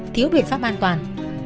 thiếu biện pháp an toàn